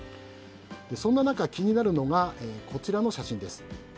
そんな中、気になるのがこちらの写真です。